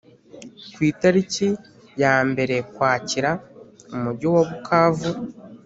ku itariki ya mberekwakira , umujyi wa bukavu